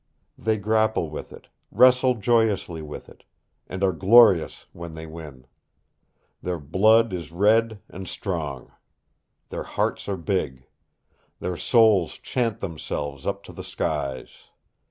They grapple with it, wrestle joyously with it, and are glorious when they win. Their blood is red and strong. Their hearts are big. Their souls chant themselves up to the skies.